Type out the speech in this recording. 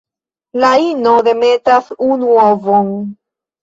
La ino demetas unu ovon.